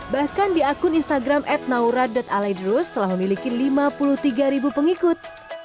bahkan di akun instagram at naura aledrus telah memiliki lima puluh tiga ribu pengikut